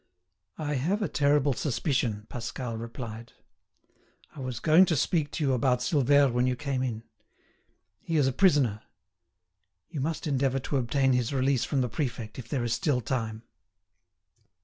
"I have a terrible suspicion," Pascal replied. "I was going to speak to you about Silvère when you came in. He is a prisoner. You must endeavour to obtain his release from the prefect, if there is still time."